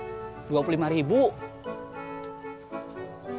ini duitnya ya ini bangkunya